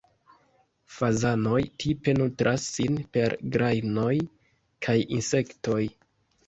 Fazanoj tipe nutras sin per grajnoj kaj insektoj.